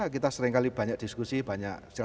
kita seringkali banyak diskusi banyak